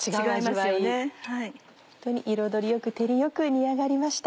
ホントに彩りよく照りよく煮上がりました。